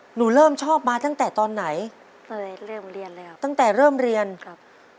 หนูเริ่มชอบมาตั้งแต่ตอนไหนก็เลยเริ่มเรียนเลยครับตั้งแต่เริ่มเรียนครับ